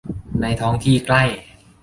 ในท้องที่ใกล้